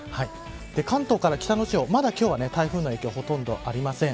関東から北の地方まだ今日は台風の影響ほとんどありません。